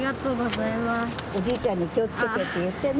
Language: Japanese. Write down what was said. おじいちゃんに気をつけてって言ってね。